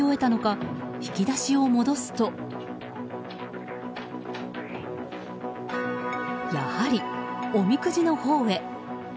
するとほとんど取り終えたのか引き出しを戻すとやはり、おみくじのほうへ。